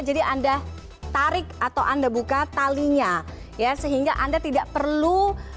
jadi anda tarik atau anda buka talinya ya sehingga anda tidak perlu